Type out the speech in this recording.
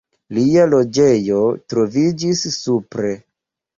Lia loĝejo troviĝis supre.